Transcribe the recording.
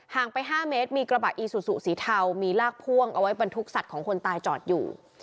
งไป๕เมตรมีกระบะอีซูซูสีเทามีลากพ่วงเอาไว้บรรทุกสัตว์ของคนตายจอดอยู่